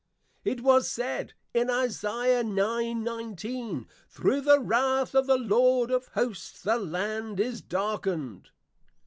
It was said, in Isa. 9.19. _Through the wrath of the Lord of Hosts, the Land is darkned.